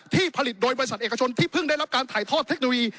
ที่ผลิตโดยบริษัทเอกชนที่เพิ่งได้รับการถ่ายทอดเทคโนโลยี